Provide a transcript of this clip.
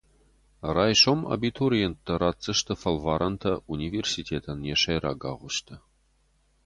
Райсом абитуриенттӕ ратдзысты фӕлварӕнтӕ университетӕн йӕ сӕйраг агъуысты.